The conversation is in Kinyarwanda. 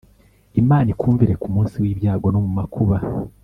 Imana ikumvire kumunsi wibyago no mumakuba